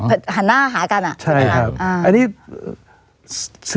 สวัสดีครับ